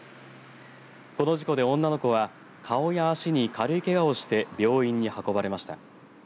この事故で女の子は顔や足に軽いけがをして病院に運ばれました。